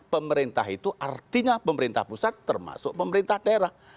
pemerintah itu artinya pemerintah pusat termasuk pemerintah daerah